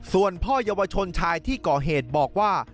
ส่วนพ่อเยาวชนชายที่ก่อเหตุบอกว่า